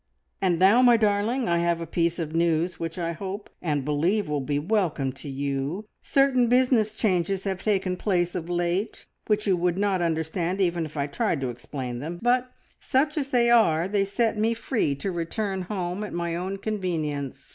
"And now, my darling, I have a piece of news, which I hope and believe will be welcome to you. Certain business changes have taken place of late, which you would not understand even if I tried to explain them, but such as they are they set me free to return home at my own convenience.